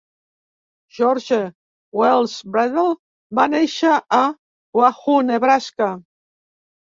George Wells Beadle va néixer a Wahoo, Nebraska.